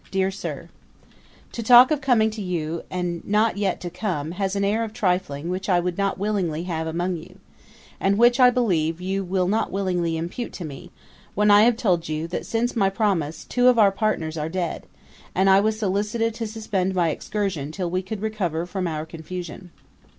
'DEAR SIR, 'To talk of coming to you, and not yet to come, has an air of trifling which I would not willingly have among you; and which, I believe, you will not willingly impute to me, when I have told you, that since my promise, two of our partners are dead, and that I was solicited to suspend my excursion till we could recover from our confusion.